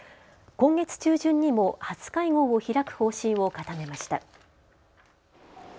今月中旬にも初会合を開く方針を固めました。